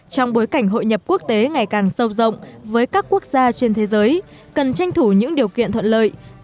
trong bối cảnh hội nhập quốc tế ngày càng sâu rộng với các quốc gia trên thế giới cần tranh thủ những điều kiện thuận lợi